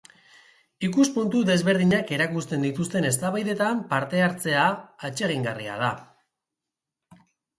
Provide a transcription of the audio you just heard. Ikuspuntu desberdinak erakusten dituzten eztabaidetan parte hartzea atsegingarria da.